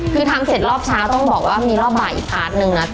คือทำเสร็จรอบเช้าต้องบอกว่ามีรอบบ่ายอีกพาร์ทหนึ่งนะ